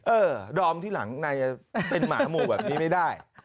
เออดอมที่หลังนายเป็นหมาหมู่แบบนี้ไม่ได้